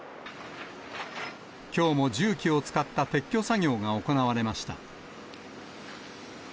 きょうも重機を使った撤去作業が行われました。